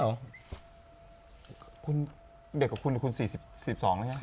เด็กกว่าคุณศิษย์๔๒ละอ่ะ